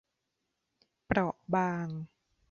เปราะบาง